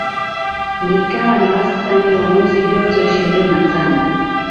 likiwa na wastani wa nyuzi joto ishirini na tano